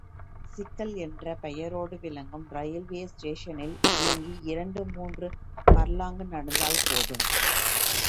சிக்கல் என்ற பெயரோடு விளங்கும் ரயில்வே ஸ்டேஷனில் இயங்கி இரண்டு மூன்று பர்லாங்கு நடந்தால் போதும்.